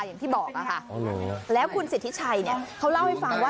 อย่างที่บอกค่ะแล้วคุณสิทธิชัยเขาเล่าให้ฟังว่า